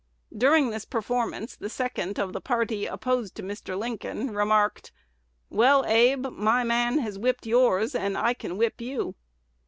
During this performance, the second of the party opposed to Mr. Lincoln remarked, 'Well, Abe, my man has whipped yours, and I can whip you.'